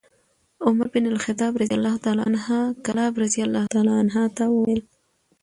عمر بن الخطاب رضي الله عنه کلاب رضي الله عنه ته وویل: